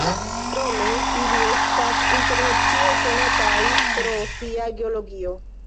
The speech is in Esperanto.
Krome ili estas internacie konataj pro sia geologio.